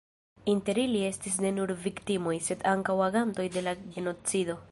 Inter ili estis ne nur viktimoj, sed ankaŭ agantoj de la genocido.